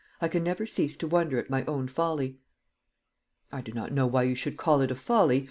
I can never cease to wonder at my own folly." "I do not know why you should call it a folly.